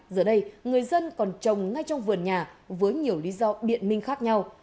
giờ đây người dân còn trồng ngay trong vườn nhà với nhiều lý do biện minh khác nhau